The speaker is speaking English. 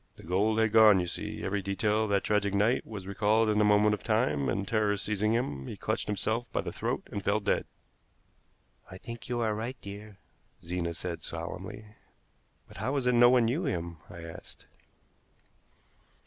The gold had gone, you see. Every detail of that tragic night was recalled in a moment of time, and, terror seizing him, he clutched himself by the throat and fell dead." "I think you are right, dear," Zena said solemnly. "But how is it no one knew him?" I asked.